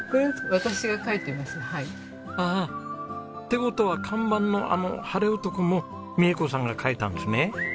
ああって事は看板のあのハレオトコも美恵子さんが描いたんですね。